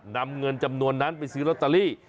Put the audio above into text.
นำเงินจำนวนนั้นไปซื้อลอตเตอรี่